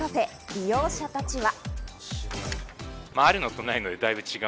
利用者たちは。